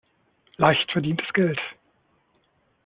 Leicht verdientes Geld.